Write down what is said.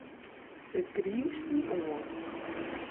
It griist my oan.